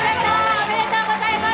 おめでとうございます。